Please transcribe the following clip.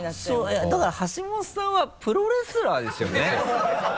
いやいやだから橋本さんはプロレスラーですよね？